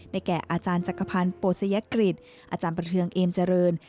แก่อาจารย์จักรพันธ์โปสยกฤษอาจารย์ประเทืองเอมเจริญ